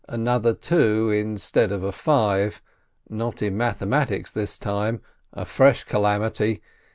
Another two instead of a five, not in mathematics this time — a fresh calamity